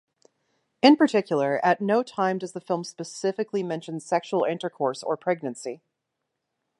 In particular, at no time does the film specifically mention sexual intercourse or pregnancy.